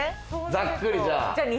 ざっくりじゃあ。